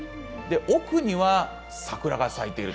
奥には桜が咲いている。